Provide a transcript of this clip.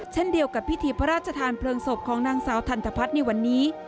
เช่นเดียวกับพิธีพระราชทานเพลิงศพของนางสาวทันทพัฒน์ในวันนี้